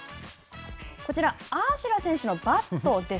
こちら、アーシェラ選手のバットです。